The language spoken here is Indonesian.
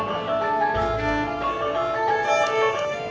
dan juga yang mahal agak